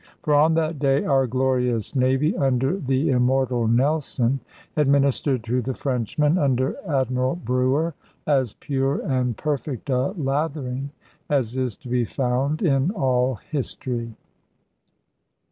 For on that day our glorious navy, under the immortal Nelson, administered to the Frenchmen, under Admiral Brewer, as pure and perfect a lathering as is to be found in all history.